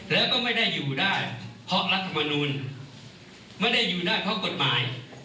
แล้วก็ไม่ได้อยู่ได้เพราะรัฐมนุนไม่ได้อยู่ได้เพราะกฎหมาย